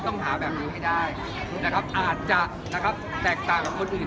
ต้องหาแบบเดี๋ยวให้ได้อาจจะแตกต่างกับคนอื่น